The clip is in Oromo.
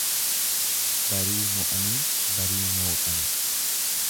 Barii mo'anii barii mooqani.